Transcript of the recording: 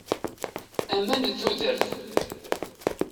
Aman d tudert.